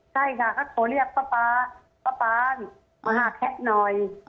ใช่ค่ะค่ะขอเรียกป๊าป๊าป๊ามาหาแค๊กหน่อย